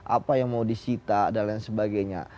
apa yang mau disita dan lain sebagainya